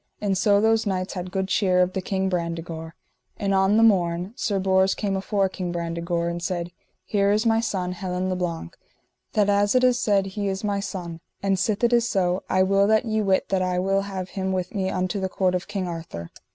And so those knights had good cheer of the King Brandegore. And on the morn Sir Bors came afore King Brandegore and said: Here is my son Helin le Blank, that as it is said he is my son; and sith it is so, I will that ye wit that I will have him with me unto the court of King Arthur.